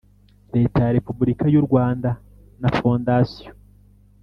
Leta Ya Repubulika Y U Rwanda Na Fondasiyo